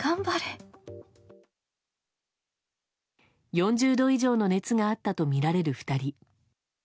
４０度以上の熱があったとみられる２人。